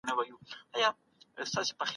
په پښتو ژبه کي ورته سياست پوهنه ويل کيږي.